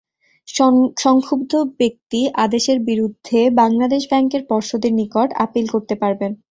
সংক্ষুব্ধ ব্যক্তি আদেশের বিরুদ্ধে বাংলাদেশ ব্যাংকের পর্ষদের নিকট আপিল করতে পারবেন।